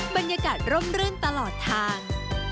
บรรยากาศร่มรื่นตลอดทาง